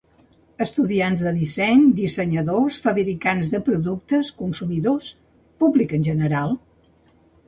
Estudiants de disseny, dissenyadors, fabricants de productes, consumidors, públic general.